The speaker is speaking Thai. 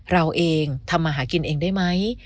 เราเองทำมาหากินเองได้ไหม